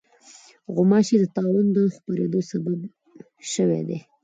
غوماشې د طاعون د خپرېدو سبب شوې دي.